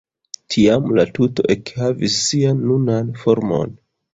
Tiam la tuto ekhavis sian nunan formon.